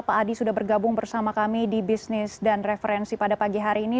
pak adi sudah bergabung bersama kami di bisnis dan referensi pada pagi hari ini